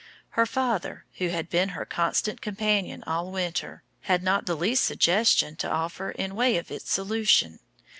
Her father, who had been her constant companion all winter, had not the least suggestion to offer in way of its solution.